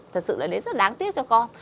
thật sự là lễ rất đáng tiếc cho con